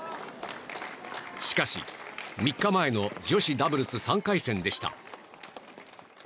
しかし、３日前の女子ダブルス３回戦でした。